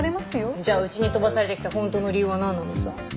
じゃあうちに飛ばされてきた本当の理由はなんなのさ。